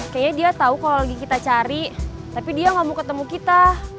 kayaknya dia tahu kalau lagi kita cari tapi dia gak mau ketemu kita